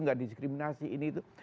gak diskriminasi ini itu